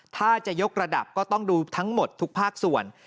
ถ้าจะยกระดับก็ต้องดูทั้งหมดทุกภาคส่วน